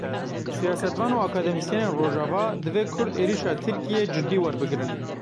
Siyasetvan û akademîsyenên Rojava: Divê Kurd êrişa Tirkiyê ciddî werbigrin.